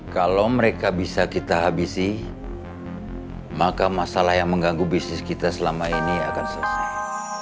kalau mereka bisa kita habisi maka masalah yang mengganggu bisnis kita selama ini akan selesai